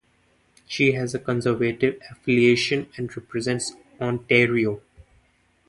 She has a Conservative affiliation and represents Ontario.